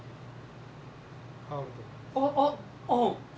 あっあっ。